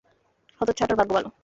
হতচ্ছাড়াটার ভাগ্য ভালো!